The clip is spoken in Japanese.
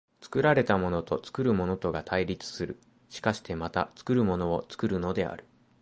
作られたものと作るものとが対立する、しかしてまた作るものを作るのである。